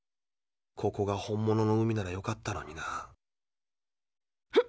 ここが本物の海ならよかったのにな。